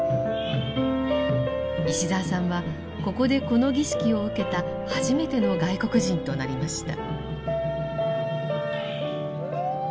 石澤さんはここでこの儀式を受けた初めての外国人となりました。